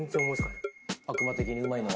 悪魔的にうまいのは？